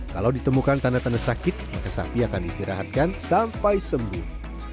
kalau ditemukan tanda tanda sakit maka sapi akan diistirahatkan sampai sembuh